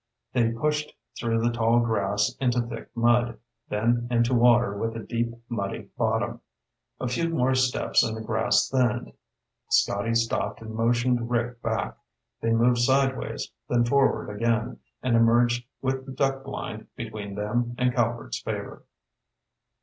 They pushed through the tall grass into thick mud, then into water with a deep muddy bottom. A few more steps and the grass thinned. Scotty stopped and motioned Rick back. They moved sideways, then forward again, and emerged with the duck blind between them and Calvert's Favor.